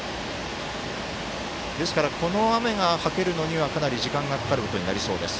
ですから、この雨がはけるのにはかなり時間がかかりそうです。